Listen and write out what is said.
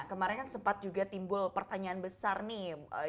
kemarin kan sempat juga timbul pertanyaan besar nih